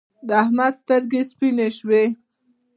د احمد سترګې سپينې شوې.